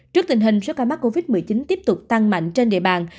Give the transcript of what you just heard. trước tình hình số ca mắc covid một mươi chín tiếp tục tăng mạnh trên địa bàn